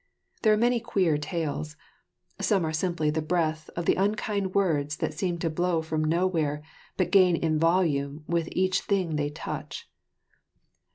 There are many queer tales; some are simply the breath of the unkind winds that seem to blow from nowhere but gain in volume with each thing they touch.